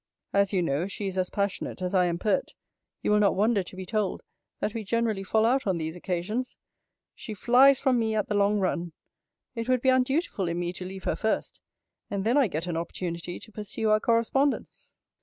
As you know she is as passionate, as I am pert, you will not wonder to be told, that we generally fall out on these occasions. She flies from me, at the long run. It would be undutiful in me to leave her first and then I get an opportunity to pursue our correspondence.